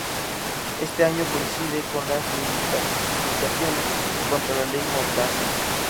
Este año coincide con las reivindicaciones contra la Ley Mordaza.